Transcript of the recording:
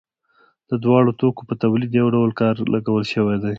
د دواړو توکو په تولید یو ډول کار لګول شوی دی